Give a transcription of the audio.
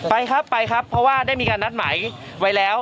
ไปครับไปครับเพราะว่าได้มีการนัดหมายไว้แล้ว